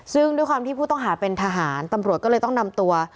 ซึ่งด้วยความที่ผู้ต้องหาเป็นทหารตำรวจก็เลยต้องนำตัว